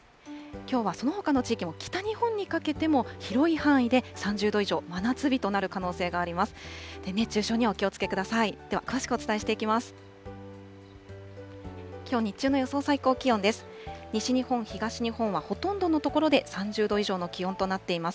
きょうはそのほかの地域も北日本にかけても、広い範囲で３０度以上、真夏日となる可能性があります。